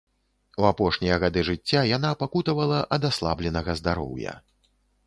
У апошнія гады жыцця яна пакутавала ад аслабленага здароўя.